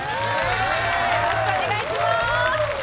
よろしくお願いします！